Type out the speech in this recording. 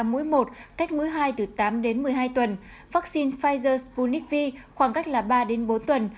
mũi một cách mũi hai từ tám đến một mươi hai tuần vaccine pfizer spunicvi khoảng cách là ba đến bốn tuần